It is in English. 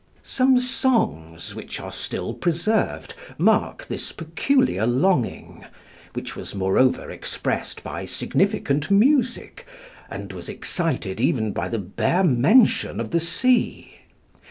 Some songs, which are still preserved, marked this peculiar longing, which was moreover expressed by significant music, and was excited even by the bare mention of the sea.